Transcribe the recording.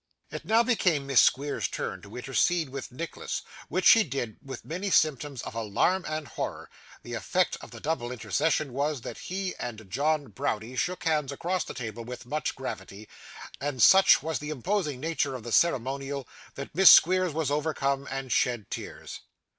It now became Miss Squeers's turn to intercede with Nicholas, which she did with many symptoms of alarm and horror; the effect of the double intercession was, that he and John Browdie shook hands across the table with much gravity; and such was the imposing nature of the ceremonial, that Miss Squeers was overcome and shed tears.